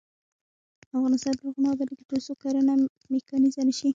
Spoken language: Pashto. افغانستان تر هغو نه ابادیږي، ترڅو کرنه میکانیزه نشي.